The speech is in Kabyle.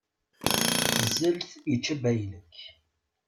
Zzelt ičča baylek.